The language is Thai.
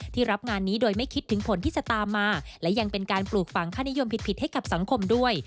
รับงานนี้โดยไม่คิดถึงผลที่จะตามมาและยังเป็นการปลูกฝังค่านิยมผิดให้กับสังคมด้วย